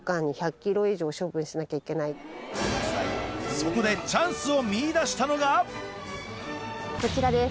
そこでチャンスを見いだしたのがこちらです。